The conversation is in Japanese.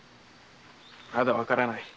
まだわからない。